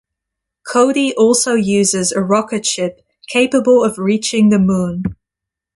Cody also uses a rocket ship capable of reaching the Moon.